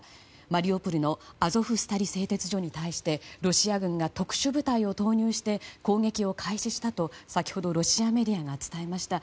マリウポリのアゾフスタリ製鉄所に対してロシア軍が特殊部隊を投入して攻撃を開始したと、先ほどロシアメディアが伝えました。